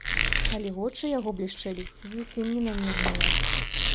Але вочы яго блішчэлі зусім не на мірны лад.